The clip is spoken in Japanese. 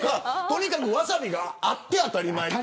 とにかくワサビがあって当たり前と。